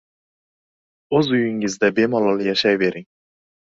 Oʻz uyingizda bemalol yashayvering.